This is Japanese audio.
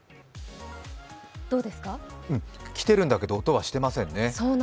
来てるんだけど音はしてませんね。